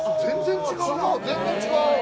全然違うな。